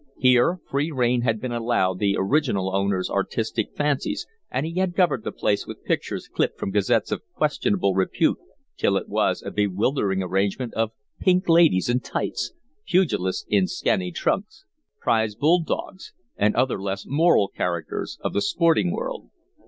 Here, free reign had been allowed the original owner's artistic fancies, and he had covered the place with pictures clipped from gazettes of questionable repute till it was a bewildering arrangement of pink ladies in tights, pugilists in scanty trunks, prize bulldogs, and other less moral characters of the sporting world.